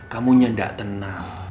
kamu nya gak tenang